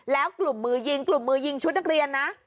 แล้วกลุ่มมือยิงชุดนักเรียนนะ